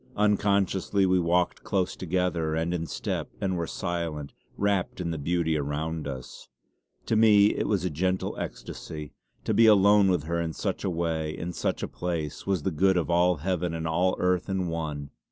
Unconsciously we walked close together and in step; and were silent, wrapt in the beauty around us. To me it was a gentle ecstasy. To be alone with her in such a way, in such a place, was the good of all heaven and all earth in one.